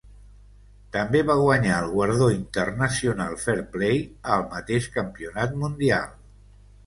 També va guanyar el guardó International Fair Play al mateix campionat mundial.